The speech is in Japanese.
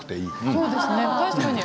そうですね